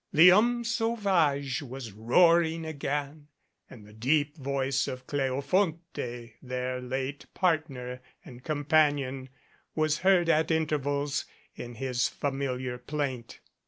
The Homme Sauvage was roaring again and the deep voice of Cleofonte, their late partner and companion, was heard at intervals in his familiar plaint.